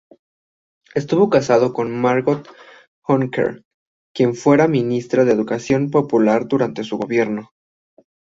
Estuvo casado con Margot Honecker, quien fuera ministra de Educación Popular durante su gobierno.